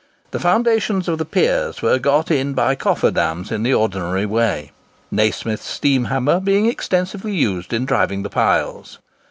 The foundations of the piers were got in by coffer dams in the ordinary way, Nasmyth's steam hammer being extensively used in driving the piles.